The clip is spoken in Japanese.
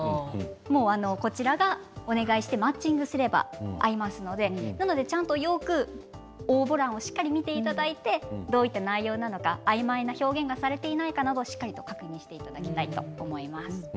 こちらがお願いしてマッチングすれば合いますのでよく応募欄をしっかりと見ていただいてどういった内容なのかあいまいな表現がされていないかなど、しっかり確認していただきたいと思います。